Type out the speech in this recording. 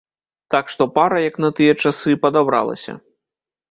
Так што пара, як на тыя часы, падабралася.